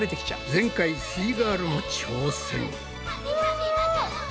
前回すイガールも挑戦。